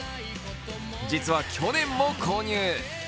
実は去年も購入。